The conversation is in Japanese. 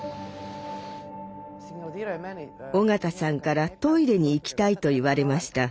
緒方さんからトイレに行きたいと言われました。